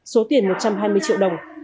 số tiền một trăm hai mươi triệu đồng